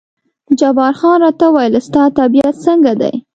جبار خان راته وویل ستا طبیعت څنګه دی؟